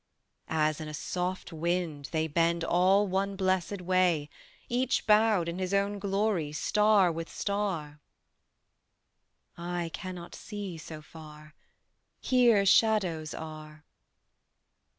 "As in a soft wind, they Bend all one blessed way, Each bowed in his own glory, star with star." "I cannot see so far, Here shadows are."